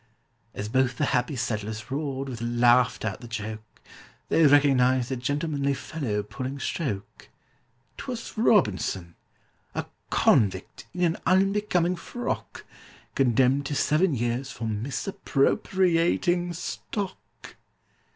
As both the happy settlers roared with laughter at the joke, They recognized a gentlemanly fellow pulling stroke: 'Twas ROBINSON—a convict, in an unbecoming frock! Condemned to seven years for misappropriating stock!!!